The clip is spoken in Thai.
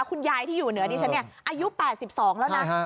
คุณยายที่อยู่เหนือดิฉันเนี่ยอายุ๘๒แล้วนะ